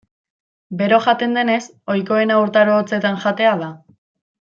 Bero jaten denez, ohikoena urtaro hotzetan jatea da.